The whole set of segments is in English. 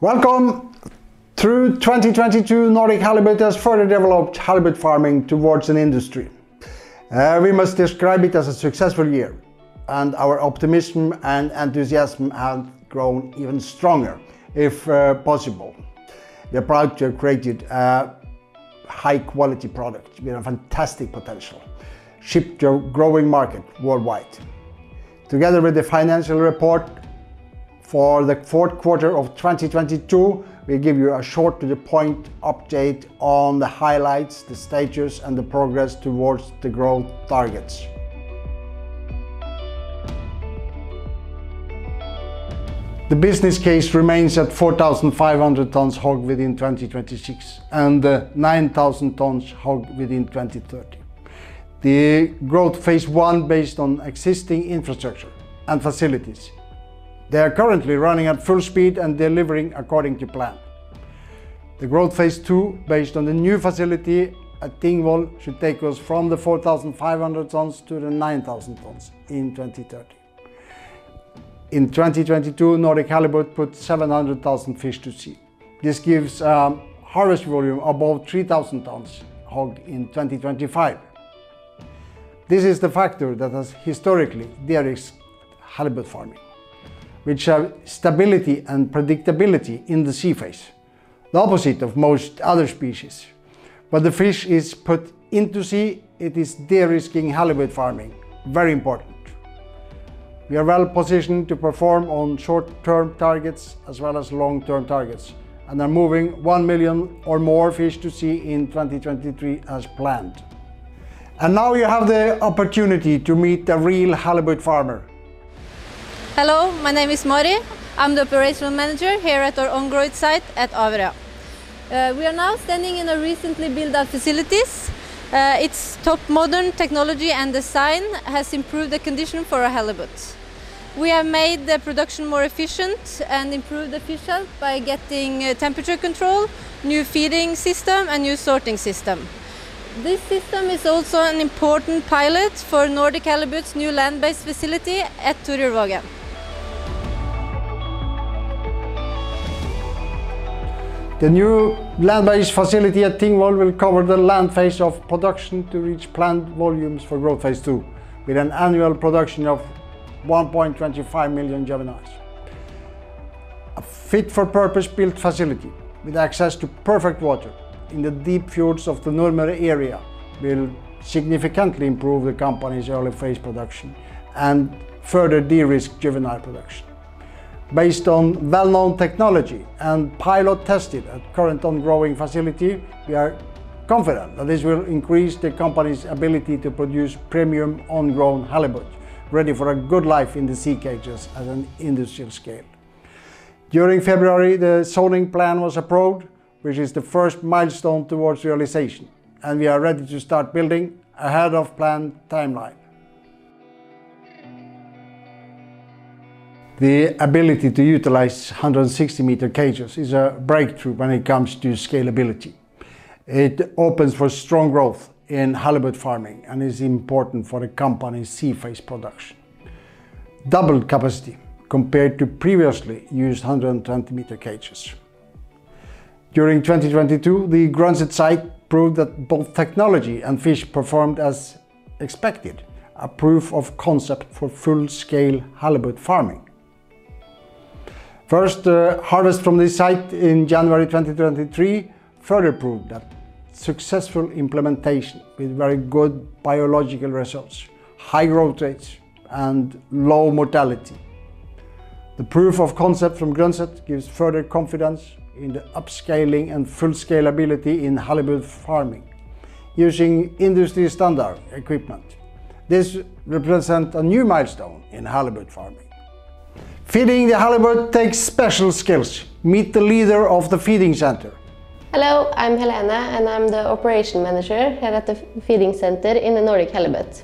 Welcome. Through 2022, Nordic Halibut has further developed halibut farming towards an industry. We must describe it as a successful year, and our optimism and enthusiasm have grown even stronger, if possible. The project created a high-quality product with a fantastic potential, ship to growing market worldwide. Together with the financial report for the fourth quarter of 2022, we give you a short to the point update on the highlights, the stages, and the progress towards the growth targets. The business case remains at 4,500 tons whole within 2026, and 9,000 tons whole within 2030. The growth Phase 1 based on existing infrastructure and facilities, they are currently running at full speed and delivering according to plan. The growth phase two based on the new facility at Tingvoll should take us from the 4,500 tons to the 9,000 tons in 2030. In 2022, Nordic Halibut put 700,000 fish to sea. This gives harvest volume above 3,000 tons whole in 2025. This is the factor that has historically de-risked halibut farming, which have stability and predictability in the sea phase, the opposite of most other species. When the fish is put into sea, it is de-risking halibut farming. Very important. We are well positioned to perform on short-term targets as well as long-term targets, they're moving 1 million or more fish to sea in 2023 as planned. Now, you have the opportunity to meet the real halibut farmer. Hello, my name is Mari. I'm the operational manager here at our on-growth site at Averøy. We are now standing in a recently built up facilities. It's top modern technology and design has improved the condition for our halibut. We have made the production more efficient and improved the fish health by getting temperature control, new feeding system, and new sorting system. This system is also an important pilot for Nordic Halibut's new land-based facility at Torjulvågen. The new land-based facility at Tingvoll will cover the land phase of production to reach planned volumes for growth phase two, with an annual production of 1.25 million juveniles. A fit for purpose built facility with access to perfect water in the deep fjords of the Nordmøre area will significantly improve the company's early phase production and further de-risk juvenile production. Based on well-known technology and pilot tested at current on-growing facility, we are confident that this will increase the company's ability to produce premium on-grown halibut ready for a good life in the sea cages at an industrial scale. During February, the zoning plan was approved, which is the first milestone towards realization, and we are ready to start building ahead of planned timeline. The ability to utilize 160-meter cages is a breakthrough when it comes to scalability. It opens for strong growth in halibut farming and is important for the company's sea phase production. Doubled capacity compared to previously used 120 meter cages. During 2022, the Grunset site proved that both technology and fish performed as expected, a proof of concept for full scale halibut farming. First, harvest from this site in January 2023 further proved that successful implementation with very good biological results, high growth rates, and low mortality. The proof of concept from Grunset gives further confidence in the upscaling and full scalability in halibut farming using industry standard equipment. This represent a new milestone in halibut farming. Feeding the halibut takes special skills. Meet the leader of the feeding center. Hello, I'm Helene. I'm the operation manager here at the feeding center in the Nordic Halibut.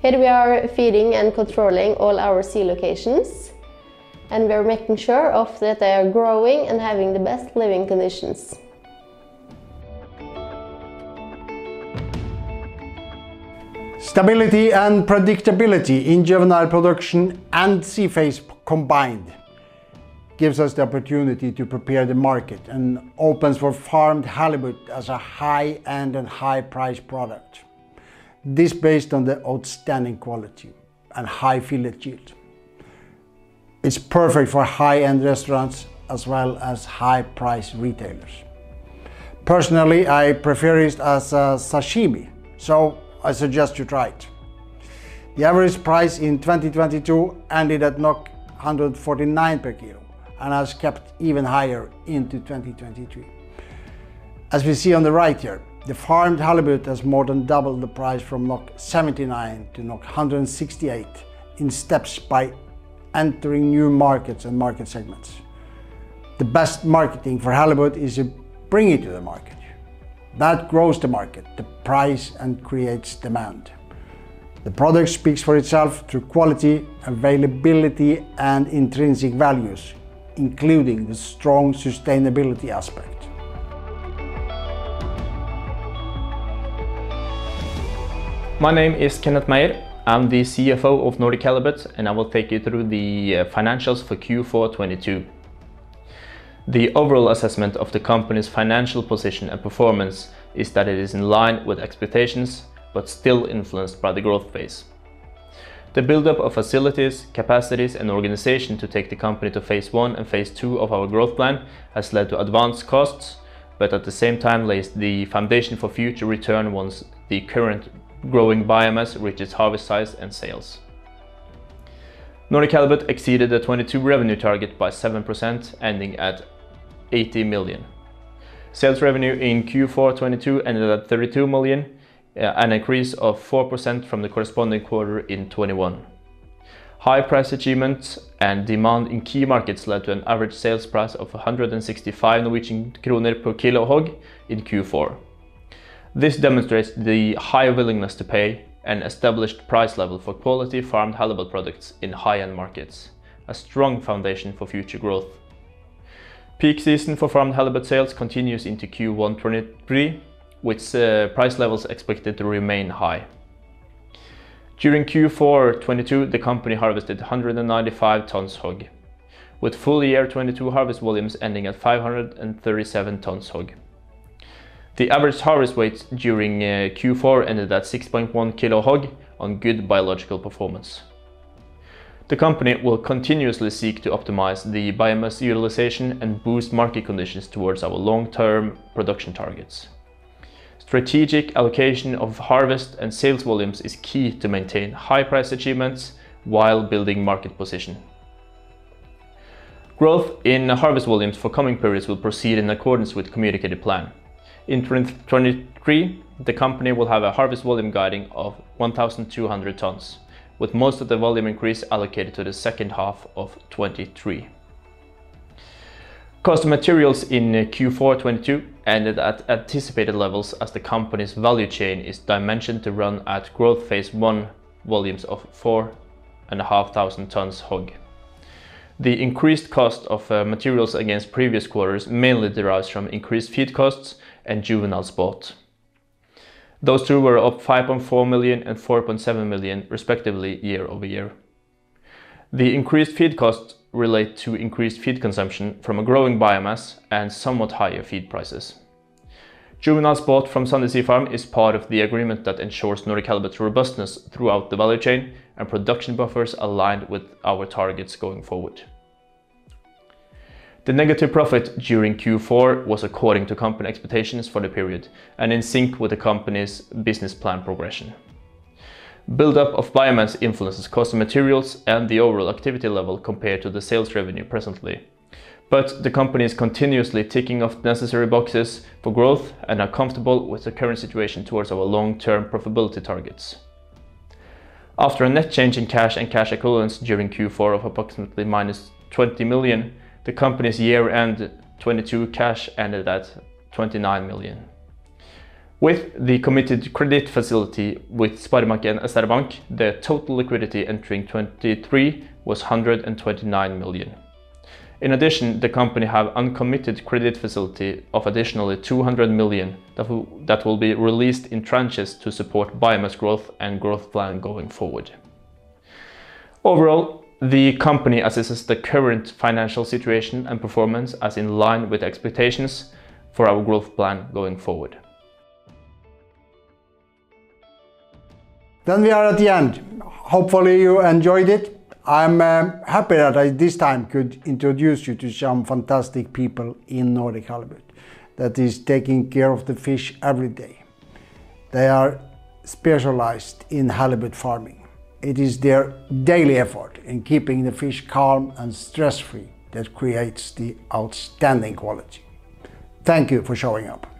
Here we are feeding and controlling all our sea locations. We are making sure of that they are growing and having the best living conditions. Stability and predictability in juvenile production and sea phase combined gives us the opportunity to prepare the market and opens for farmed halibut as a high-end and high price product. This based on the outstanding quality and high fillet yield. It's perfect for high-end restaurants as well as high price retailers. Personally, I prefer it as a sashimi, so I suggest you try it. The average price in 2022 ended at 149 per kilo and has kept even higher into 2023. As we see on the right here, the farmed halibut has more than doubled the price from 79 to 168 in steps by entering new markets and market segments. The best marketing for halibut is to bring it to the market. That grows the market, the price, and creates demand. The product speaks for itself through quality, availability, and intrinsic values, including the strong sustainability aspect. My name is Kenneth Meyer. I'm the CFO of Nordic Halibut AS, and I will take you through the financials for Q4 2022. The overall assessment of the company's financial position and performance is that it is in line with expectations but still influenced by the growth phase. The buildup of facilities, capacities, and organization to take the company to phase one and phase two of our growth plan has led to advanced costs, but at the same time lays the foundation for future return once the current growing biomass reaches harvest size and sales. Nordic Halibut AS exceeded the 2022 revenue target by 7%, ending at 80 million. Sales revenue in Q4 2022 ended at 32 million, an increase of 4% from the corresponding quarter in 2021. High price achievements and demand in key markets led to an average sales price of 165 Norwegian kroner per kilo HOG in Q4. This demonstrates the high willingness to pay and established price level for quality farmed halibut products in high-end markets, a strong foundation for future growth. Peak season for farmed halibut sales continues into Q1 2023, with price levels expected to remain high. During Q4 2022, the company harvested 195 tons HOG, with full year 2022 harvest volumes ending at 537 tons HOG. The average harvest weight during Q4 ended at 6.1 kilo HOG on good biological performance. The company will continuously seek to optimize the biomass utilization and boost market conditions towards our long-term production targets. Strategic allocation of harvest and sales volumes is key to maintain high price achievements while building market position. Growth in harvest volumes for coming periods will proceed in accordance with communicated plan. In 2023, the company will have a harvest volume guiding of 1,200 tons, with most of the volume increase allocated to the second half of 2023. Cost of materials in Q4 2022 ended at anticipated levels as the company's value chain is dimensioned to run at growth phase one volumes of 4,500 tons HOG. The increased cost of materials against previous quarters mainly derives from increased feed costs and juvenile spot. Those two were up 5.4 million and 4.7 million respectively year-over-year. The increased feed costs relate to increased feed consumption from a growing biomass and somewhat higher feed prices. Juvenile spot from Sande Sjøfarm is part of the agreement that ensures Nordic Halibut's robustness throughout the value chain and production buffers aligned with our targets going forward. The negative profit during Q4 was according to company expectations for the period and in sync with the company's business plan progression. Buildup of biomass influences cost of materials and the overall activity level compared to the sales revenue presently, but the company is continuously ticking off necessary boxes for growth and are comfortable with the current situation towards our long-term profitability targets. After a net change in cash and cash equivalents during Q4 of approximately -20 million, the company's year-end 2022 cash ended at 29 million. With the committed credit facility with SpareBank 1 SR-Bank, the total liquidity entering 2023 was 129 million. In addition, the company have uncommitted credit facility of additionally 200 million that will be released in tranches to support biomass growth and growth plan going forward. Overall, the company assesses the current financial situation and performance as in line with expectations for our growth plan going forward. We are at the end. Hopefully, you enjoyed it. I'm happy that I this time could introduce you to some fantastic people in Nordic Halibut that is taking care of the fish every day. They are specialized in halibut farming. It is their daily effort in keeping the fish calm and stress-free that creates the outstanding quality. Thank you for showing up.